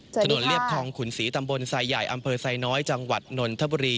ถนนเลียบคลองขุนศรีตำบลไซฯใหญ่อไซนจังหวัดนนนทัพบูรี